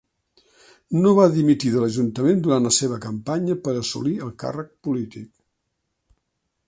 No va dimitir de l"ajuntament durant la seva campanya per assolir el càrrec polític.